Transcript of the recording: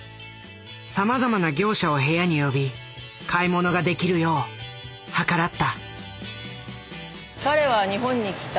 さまざまな業者を部屋に呼び買い物ができるよう計らった。